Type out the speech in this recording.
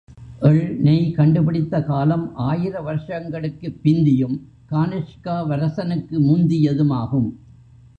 எள் நெய் கண்டு பிடித்த காலம் ஆயிர வருஷங்களுக்குப் பிந்தியும் கானிஷ்காவரசனுக்கு முந்தியது மாகும்.